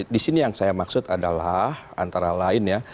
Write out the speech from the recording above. di sini yang saya maksud adalah antara lain ya